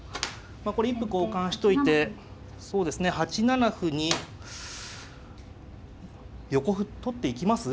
これ一歩交換しといて８七歩に横歩取っていきます？